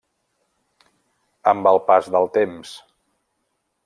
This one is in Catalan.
Amb el pas del temps.